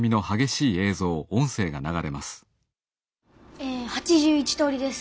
え８１通りです。